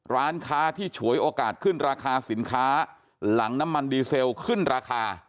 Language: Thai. ร้านค้าที่ฉวยโอกาสขึ้นราคาสินค้าหลังน้ำมันดีเซลขึ้นราคา